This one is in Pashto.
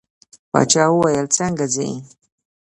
باچا وویل څنګه ځې.